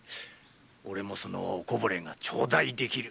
俺もそのお零れが頂戴できる。